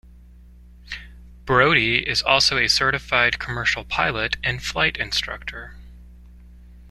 Brody is also a certified commercial pilot and flight instructor.